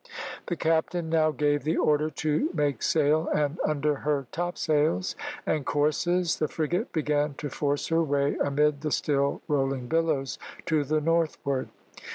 The captain now gave the order to make sail, and under her topsails and courses the frigate began to force her way amid the still rolling billows to the northward.